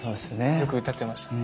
よく歌ってましたね。